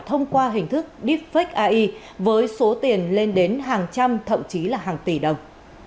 thông qua hình thức deepfake ai với số tiền lên đến hàng trăm thậm chí là hàng tỷ đồng